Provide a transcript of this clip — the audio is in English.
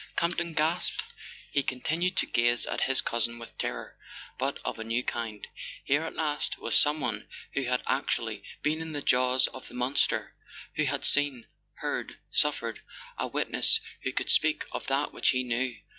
Campton gasped. He continued to gaze at his cousin with terror, but of a new kind. Here at last was someone who had ac¬ tually been in the jaws of the monster, who had seen, heard, suffered—a witness who could speak of that which he knew!